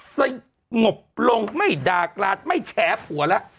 สงบลงไม่ด่ากราศไม่แฉผัวแล้ว